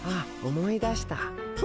思い出した？